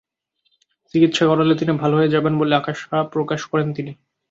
চিকিৎসা করালে তিনি ভালো হয়ে যাবেন বলে আশা প্রকাশ করেন তিনি।